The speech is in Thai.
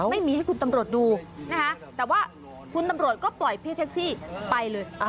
ไม่มีให้คุณตำรวจดูนะคะแต่ว่าคุณตำรวจก็ปล่อยพี่แท็กซี่ไปเลย